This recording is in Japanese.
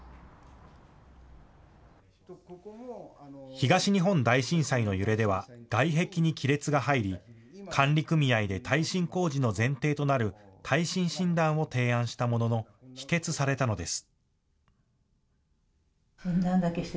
東日本大震災の揺れでは外壁に亀裂が入り、管理組合で耐震工事の前提となる耐震診断を提案したものの否決されたのです。